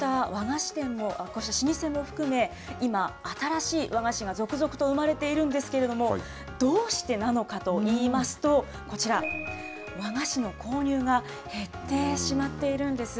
こうした老舗も含め、今、新しい和菓子が続々と生まれているんですけれども、どうしてなのかといいますと、こちら、和菓子の購入が減ってしまっているんです。